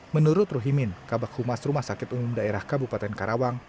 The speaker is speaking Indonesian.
menurut ruhimin kabak humas rumah sakit umum daerah kabupaten karawang